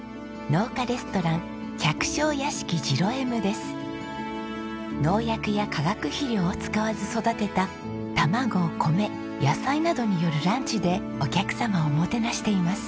農薬や化学肥料を使わず育てた卵米野菜などによるランチでお客様をもてなしています。